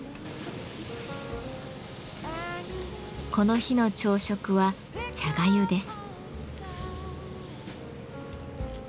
この日の朝食は茶粥です。